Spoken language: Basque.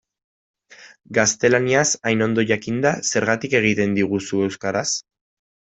Gaztelaniaz hain ondo jakinda, zergatik egiten diguzu euskaraz?